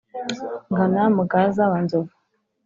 Ngana Mugaza wa nzovu